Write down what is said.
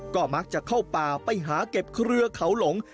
ก็มักจะเข้าป่าไปหาเก็บเครือเขาหลง